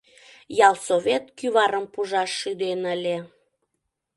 Ялсоветат кӱварым пужаш шӱден ыле.